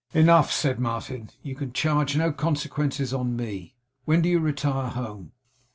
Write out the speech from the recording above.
'Enough,' said Martin. 'You can charge no consequences on me. When do you retire home?